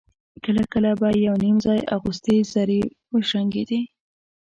کله کله به يو _نيم ځای اغوستې زرې وشرنګېدې.